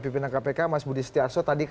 pimpinan kpk mas budi setiarso tadi